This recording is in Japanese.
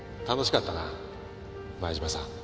楽しかった？